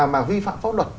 mà vi phạm pháp luật